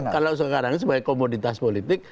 kalau sekarang sebagai komoditas politik